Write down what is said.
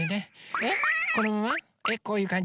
えっこういうかんじ？